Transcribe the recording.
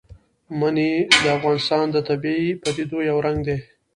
منی د افغانستان د طبیعي پدیدو یو رنګ دی.